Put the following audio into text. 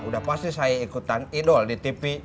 udah pasti saya ikutan idol di tv